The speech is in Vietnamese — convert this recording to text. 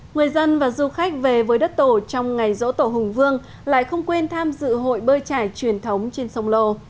người dân và du khách về với đất tổ trong ngày dỗ tổ hùng vương lại không quên tham dự hội bơi trải truyền thống trên sông lô